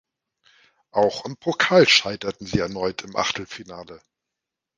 Auch im Pokal scheiterten sie erneut im Achtelfinale.